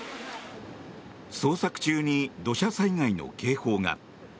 捜索中に土砂災害の警報が。